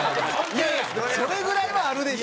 いやいやそれぐらいはあるでしょ。